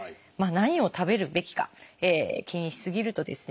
何を食べるべきか気にし過ぎるとですね